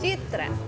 cuman kerja juga